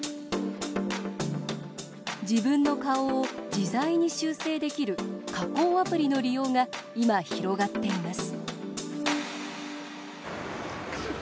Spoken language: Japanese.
自分の顔を自在に修整できる加工アプリの利用が今、広がっています。